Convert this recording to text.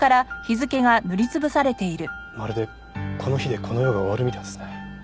まるでこの日でこの世が終わるみたいですね。